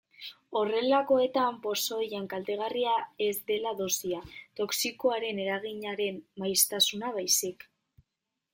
Horrelakoetan pozoian kaltegarria ez dela dosia, toxikoaren eraginaren maiztasuna baizik.